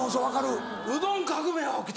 うどん革命が起きた。